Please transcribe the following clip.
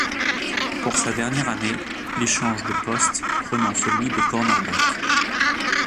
Pour sa dernière année, il change de poste, prenant celui de cornerback.